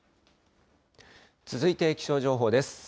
続いて気象情報です。